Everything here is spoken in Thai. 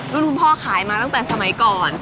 คุณพ่อขายมาตั้งแต่สมัยก่อน